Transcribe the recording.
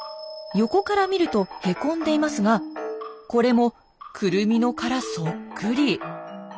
横から見るとへこんでいますがこれもクルミの殻そっくり。